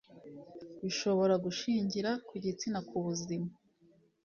bishobora gushingira ku gitsina ku buzima